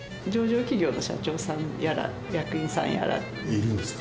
いるんですか？